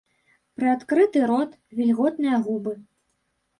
Прыадкрыты рот, вільготныя губы.